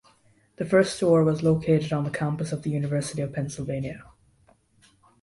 The first store was located on the campus of the University of Pennsylvania.